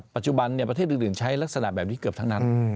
ประเทศอื่นใช้ลักษณะแบบนี้เกือบทั้งนั้น